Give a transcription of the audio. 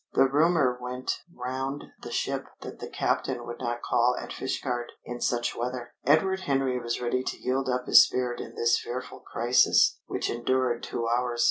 The rumour went round the ship that the captain would not call at Fishguard in such weather. Edward Henry was ready to yield up his spirit in this fearful crisis, which endured two hours.